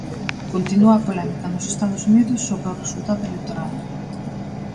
Continúa a polémica nos Estados Unidos sobre o resultado electoral.